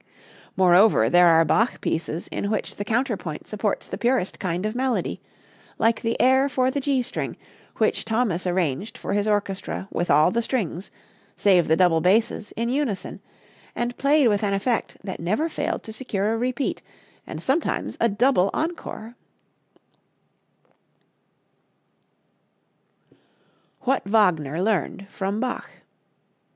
Moreover, there are Bach pieces in which the counterpoint supports the purest kind of melody, like the air for the G string which Thomas arranged for his orchestra with all the strings, save the double basses, in unison, and played with an effect that never failed to secure a repeat and sometimes a double encore. What Wagner Learned from Bach.